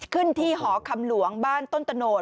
ขึ้นที่หอคำหลวงบ้านต้นตะโนธ